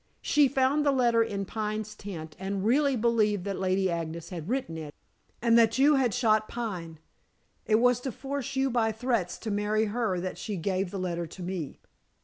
She found the letter in Pine's tent, and really believed that Lady Agnes had written it, and that you had shot Pine. It was to force you by threats to marry her that she gave the letter to me."